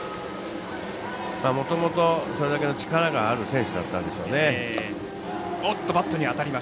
もともとそれだけの力がある選手だったんでしょうね。